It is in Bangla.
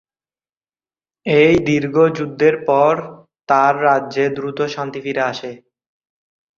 এই দীর্ঘ যুদ্ধের পর তাঁর রাজ্যে দ্রুত শান্তি ফিরে আসে।